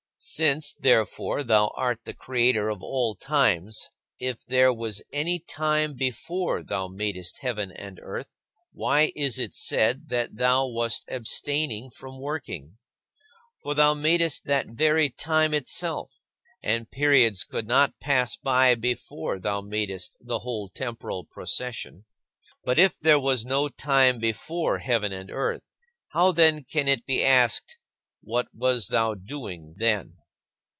Since, therefore, thou art the Creator of all times, if there was any time before thou madest heaven and earth, why is it said that thou wast abstaining from working? For thou madest that very time itself, and periods could not pass by before thou madest the whole temporal procession. But if there was no time before heaven and earth, how, then, can it be asked, "What wast thou doing then?"